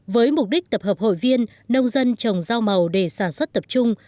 với mục đích tập hợp hội viên nông dân trồng rau màu để sản xuất tập trung